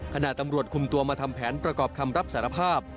ขณะตำรวจคุมตัวมาทำแผนประกอบคำรับสารภาพ